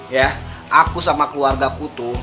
ya aku sama keluarga ku tuh